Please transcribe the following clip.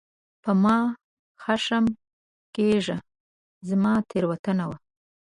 مه په خښم کېږه ، زما تېروتنه وه !